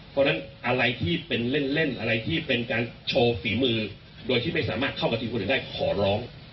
เพราะฉะนั้นอะไรที่เป็นเล่นอะไรที่เป็นการโชว์ฝีมือโดยที่ไม่สามารถเข้ากับทีมคนอื่นได้ขอร้อง